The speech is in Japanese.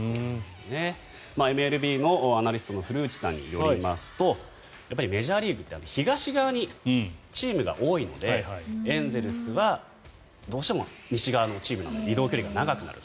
ＭＬＢアナリストの古市さんによりますとメジャーリーグって東側にチームが多いのでエンゼルスはどうしても西側のチームなので移動距離が長くなる。